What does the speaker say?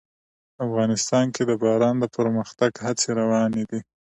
افغانستان کې د باران د پرمختګ هڅې روانې دي.